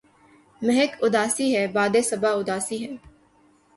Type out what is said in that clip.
مہک اُداسی ہے، باد ِ صبا اُداسی ہے